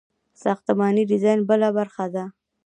ساختماني ډیزاین بله برخه ده.